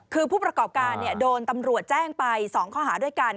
คือผู้ประกอบการโดนตำรวจแจ้งไป๒ข้อหาด้วยกัน